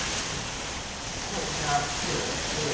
じゃあこちら資料をお配りします。